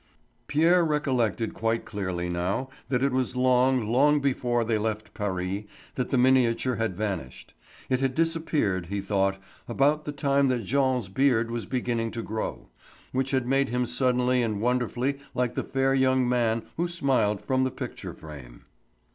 Pierre recollected quite clearly now that it was long, long before they left Paris that the miniature had vanished. It had disappeared, he thought, about the time that Jean's beard was beginning to grow, which had made him suddenly and wonderfully like the fair young man who smiled from the picture frame.